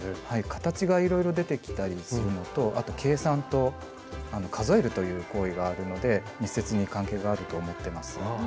はい形がいろいろ出てきたりするのとあと計算と数えるという行為があるので密接に関係があると思ってます。